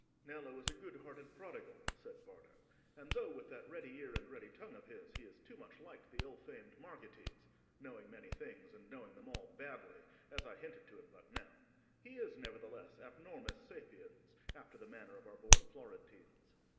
"Nello is a good hearted prodigal," said Bardo; "and though, with that ready ear and ready tongue of his, he is too much like the ill famed Margites—knowing many things and knowing them all badly, as I hinted to him but now—he is nevertheless 'abnormis sapiens,' after the manner of our born Florentines.